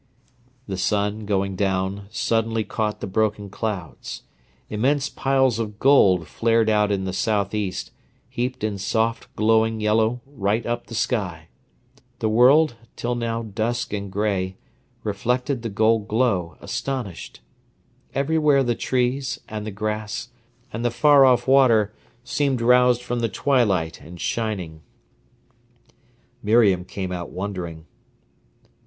The sun, going down, suddenly caught the broken clouds. Immense piles of gold flared out in the south east, heaped in soft, glowing yellow right up the sky. The world, till now dusk and grey, reflected the gold glow, astonished. Everywhere the trees, and the grass, and the far off water, seemed roused from the twilight and shining. Miriam came out wondering.